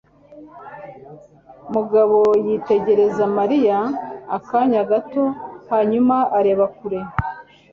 Mugabo yitegereza Mariya akanya gato hanyuma areba kure.